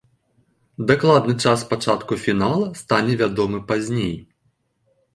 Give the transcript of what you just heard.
Дакладны час пачатку фінала стане вядомы пазней.